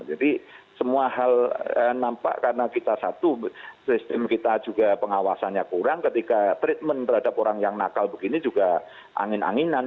jadi semua hal nampak karena kita satu sistem kita juga pengawasannya kurang ketika treatment terhadap orang yang nakal begini juga angin anginan